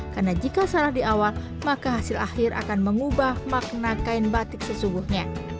karena jika salah di awal maka hasil akhir akan mengubah makna kain batik sesungguhnya